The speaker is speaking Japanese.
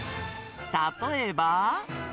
例えば。